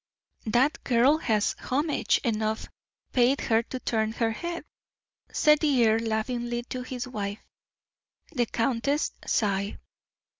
"That girl has homage enough paid her to turn her head," said the earl, laughingly, to his wife. The countess sighed.